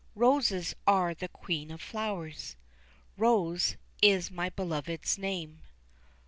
Roses are the queen of flowers; Rose is my beloved's name.